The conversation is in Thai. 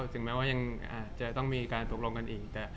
ถึงแม้ว่ายังอาจจะต้องมีการตกลงกันอีก